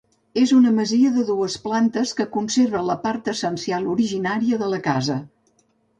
És una masia de dues plantes que conserva la part essencial originària de la casa.